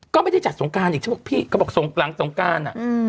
ก็ไม่ได้จัดสงการอีกถ้าบอกพี่ก็บอกสงกรังสงการอ่ะอืม